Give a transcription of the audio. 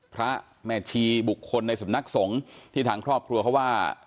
พระแม่ชีบุคคลในสำนักสงฆ์ที่ทางครอบครัวเขาว่า